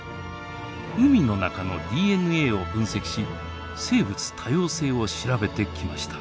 海の中のＤＮＡを分析し生物多様性を調べてきました。